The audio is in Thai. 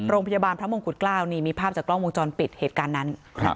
โรงพยาบาลพระมงกุฎเกล้านี่มีภาพจากกล้องวงจรปิดเหตุการณ์นั้น